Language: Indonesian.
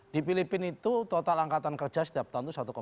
di filipina itu total angkatan kerja setiap tahun itu satu lima